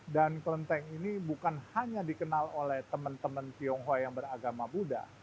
dan kelenteng ini bukan hanya dikenal oleh teman teman tionghoa yang beragama buddha